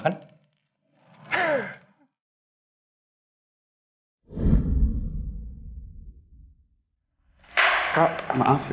ketika pertama kali roy ngajakin andien ngedit